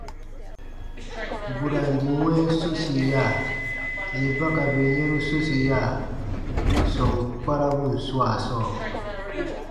Burandi wɛ̃ɛ sosiya, yè ba ka bè yɛ̃ru sosiya sɔm kparabun swaa sɔɔ.